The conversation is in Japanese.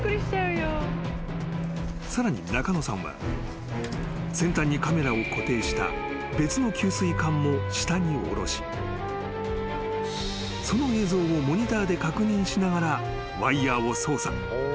［さらに中野さんは先端にカメラを固定した別の給水管も下に下ろしその映像をモニターで確認しながらワイヤを操作］